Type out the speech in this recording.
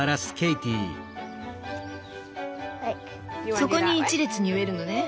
そこに一列に植えるのね。